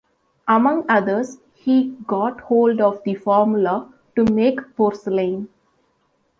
Among others he got hold of the formula to make porcelain.